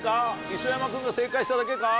磯山君が正解しただけか？